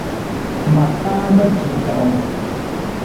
Ma taa ma ci tarung.